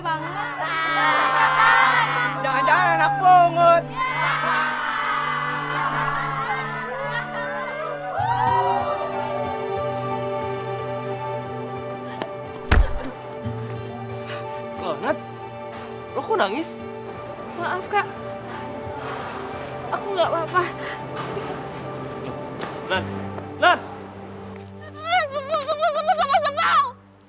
sempul sempul sempul sempul sempul